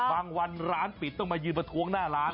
วันร้านปิดต้องมายืนประท้วงหน้าร้าน